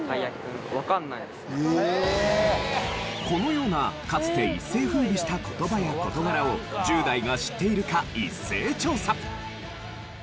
このようなかつて一世風靡した言葉や事柄を１０代が知っているか一斉調査。